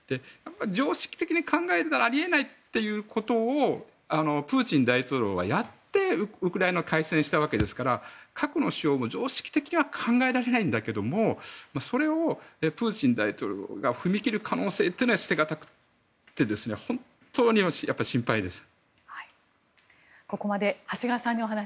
常識的に考えるとあり得ないということをプーチン大統領は、やってウクライナと開戦したわけですから核の使用も常識的には考えられないんだけれどもそれをプーチン大統領が踏み切る可能性というのは捨てがたくて本当に心配です。